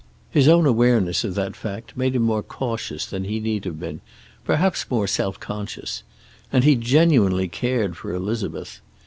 His own awareness of that fact made him more cautious than he need have been, perhaps more self conscious. And he genuinely cared for Elizabeth.